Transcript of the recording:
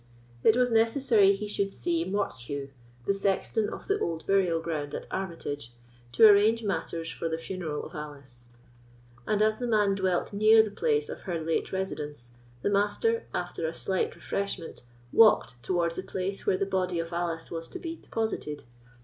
It was necessary he should see Mortsheugh, the sexton of the old burial ground at Armitage, to arrange matters for the funeral of Alice; and, as the man dwelt near the place of her late residence, the Master, after a slight refreshment, walked towards the place where the body of Alice was to be deposited.